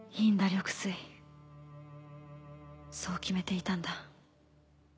緑穂そう決めていたんだ